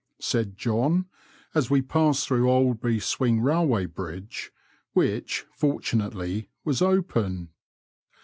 " said John, as we passed through Aldeby swing railway bridge, which, for tunately, was open.